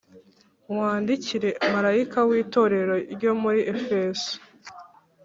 “Wandikire marayika w’Itorero ryo muri Efeso